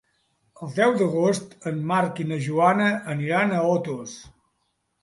El deu d'agost en Marc i na Joana aniran a Otos.